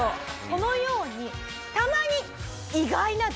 このように。